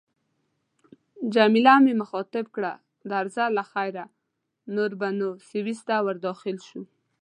جميله مې مخاطب کړ: درځه له خیره، نور به نو سویس ته ورداخل شو.